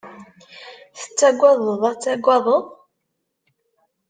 Tettagadeḍ ad tagadeḍ?